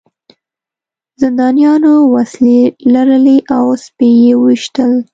زندانیانو وسلې لرلې او سپي یې وویشتل